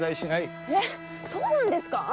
えっそうなんですかあ？